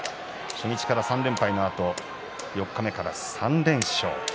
初日から３連敗のあと四日目から３連勝。